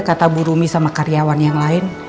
kata bu rumi sama karyawan yang lain